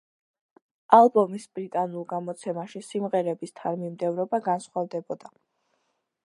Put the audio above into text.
ალბომის ბრიტანულ გამოცემაში სიმღერების თანმიმდევრობა განსხვავდებოდა.